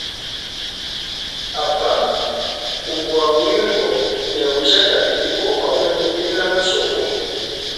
Apa, ubwa wimbo ne uja kabidi popamwe we bena musoko.